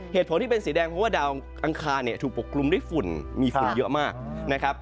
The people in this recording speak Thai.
เหตุผลที่เป็นสีแดงเพราะว่าดาวอังคารเนี่ยถูกปกกลุ่มด้วยฝุ่นมีฝุ่นเยอะมากนะครับ